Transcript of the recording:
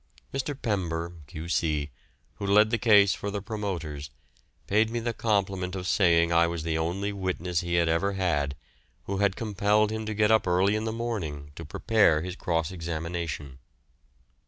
Mr. Pember, Q.C., who led the case for the promoters, paid me the compliment of saying I was the only witness he had ever had who had compelled him to get up early in the morning to prepare his cross examination.